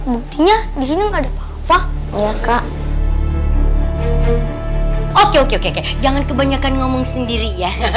bukunya di sini nggak ada apa oh kaget jangan kebanyakan ngomong sendiri ya